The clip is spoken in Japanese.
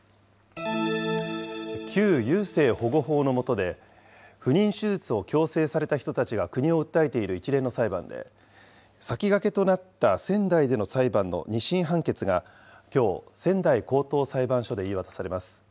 旧優生保護法の下で不妊手術を強制された人たちが国を訴えている一連の裁判で、先駆けとなった仙台での裁判の２審判決が、きょう、仙台高等裁判所で言い渡されます。